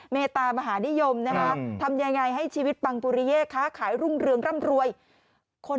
เจ้านี้ลงลึกไปถึงลิ้นเลยค่ะ